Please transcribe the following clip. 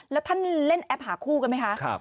แล้วท่านเล่นแอปหาคู่กันไหมคะ